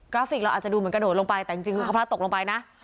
ราฟิกเราอาจจะดูเหมือนกระโดดลงไปแต่จริงคือเขาพลัดตกลงไปนะ